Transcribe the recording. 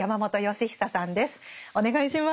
お願いします。